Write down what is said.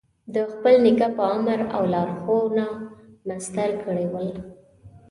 د خپل نیکه په امر او لارښوونه مسطر کړي ول.